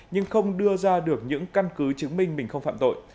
nhưng không đưa ra được những căn cứ chứng minh mình không phạm tội